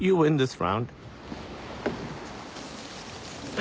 あ。